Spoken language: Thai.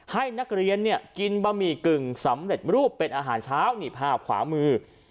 ให้นักเรียนเนี่ยกินบะหมี่กึ่งสำเร็จรูปเป็นอาหารเช้านี่ภาพขวามือ